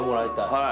はい。